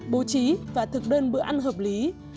bố trí và thực đơn bữa ăn hợp lý